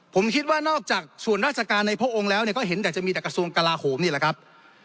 ผมคิดว่านอกจากส่วนราชการในพระองค์แล้วก็เห็นแต่จะมีแต่กระทรวงกลาโหมนี่แหละครับ